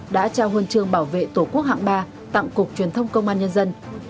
đã trao huân chương bảo vệ tổ quốc hạng ba tặng cục truyền thông công an nhân dân